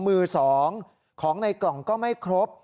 มือสองของในกล่องก็ไม่ครบ